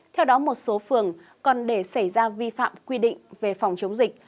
theo đó một số phường còn để xảy ra vi phạm quy định về phòng chống dịch